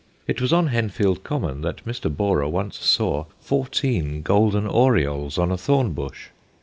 It was on Henfield common that Mr. Borrer once saw fourteen Golden Orioles on a thorn bush.